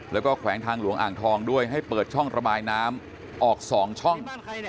แล้วก็แขวงทางหลวงอ่างทองด้วยให้เปิดช่องระบายน้ำออก๒ช่อง